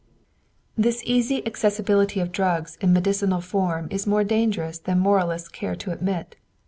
This easy accessibility of drugs in medicinal form is more dangerous than moralists care to admit.